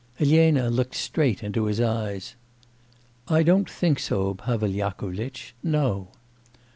Elena looked straight into his eyes. 'I don't think so, Pavel Yakovlitch; no.